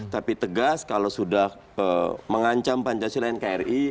tapi tegas kalau sudah mengancam pancasila nkri